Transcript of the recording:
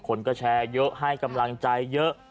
คนก็แชร์เยอะให้กำลังใจเยอะ